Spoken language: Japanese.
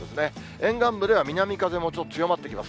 沿岸部では南風もちょっと強まってきます。